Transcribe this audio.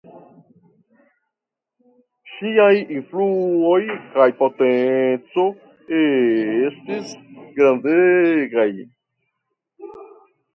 Ŝiaj influo kaj potenco estis grandegaj.